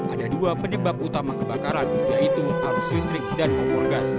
ada dua penyebab utama kebakaran yaitu arus listrik dan kompor gas